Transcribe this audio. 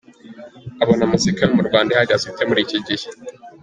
Abona muzika yo mu Rwanda ihagaze ite muri iki gihe ?.